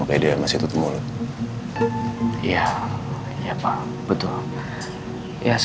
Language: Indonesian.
kalau harus ber loan